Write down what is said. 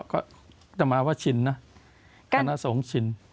ก็จะมาว่าชินนะคณะสงฆ์ชิน